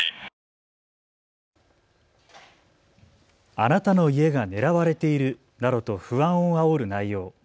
あなたの家が狙われているなどと不安をあおる内容。